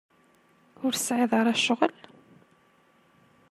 Ur tesɛiḍ ara ccɣel?